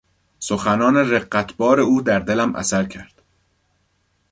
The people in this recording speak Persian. سخنان رقتبار او در دلم اثر کرد.